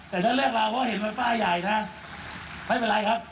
แต่ถ้าเรื่องราวเขาเห็นเป็นป้ายใหญ่นะไม่เป็นไรครับ